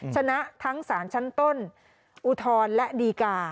ชนะทั้งสารชั้นต้นอุทธรณ์และดีกา